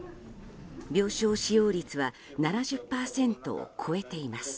病床使用率は７０％を超えています。